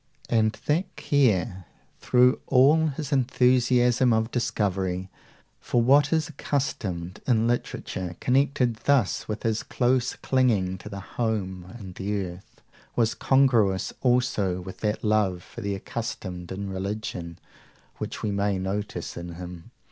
And that care, through all his enthusiasm of discovery, for what is accustomed, in literature, connected thus with his close clinging to home and the earth, was congruous also with that love for the accustomed in religion, which we may notice in him.